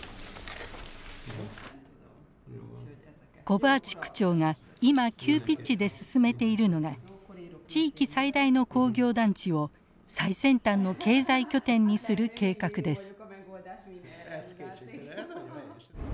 コバーチ区長が今急ピッチで進めているのが地域最大の工業団地を最先端の経済拠点にする計画です。